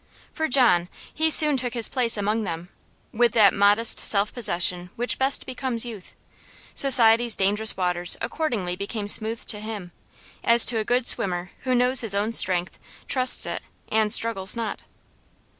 For John, he soon took his place among them, with that modest self possession which best becomes youth. Society's dangerous waters accordingly became smooth to him, as to a good swimmer who knows his own strength, trusts it, and struggles not.